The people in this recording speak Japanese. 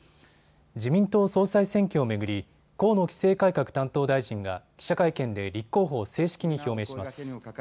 自民党総裁選挙を巡り河野規制改革担当大臣が記者会見で立候補を正式に表明します。